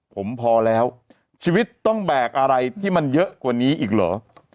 ผมพอแล้วชีวิตต้องแบกอะไรที่มันเยอะกว่านี้อีกเหรอ